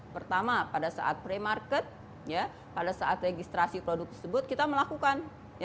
pertama pada saat pre market pada saat registrasi produk tersebut kita melakukan